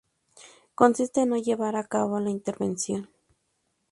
Consiste en no llevar a cabo la intervención.